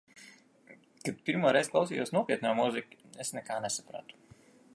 Kad pirmo reizi klausījos nopietno mūziku, es nekā nesapratu.